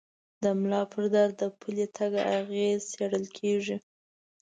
د ملا پر درد د پلي تګ اغېز څېړل کېږي.